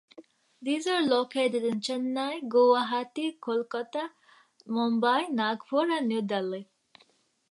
These are located in Chennai, Guwahati, Kolkata, Mumbai, Nagpur and New Delhi.